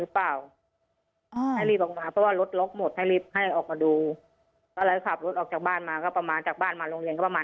พี่ชายนอนรถอยู่ในรถไม่แน่ใจว่าโดนยิงหรือเปล่า